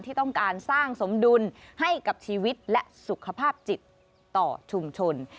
ที่ต้องการสร้างสมดุลให้กับชีวิตและสุขภาพจิตต่อชุมชน